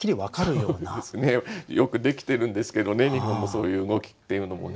そうですねよくできてるんですけどね日本のそういう動きっていうのもね。